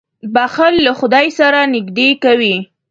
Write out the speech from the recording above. • بښل له خدای سره نېږدې کوي.